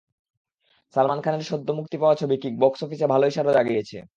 সালমান খানের সদ্য মুক্তি পাওয়া ছবি কিক বক্স অফিস ভালোই সাড়া জাগিয়েছে।